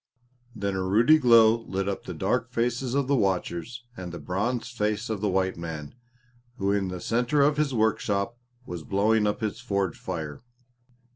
Then a ruddy glow lit up the dark faces of the watchers and the bronzed face of the white man who in the centre of his workshop was blowing up his forge fire.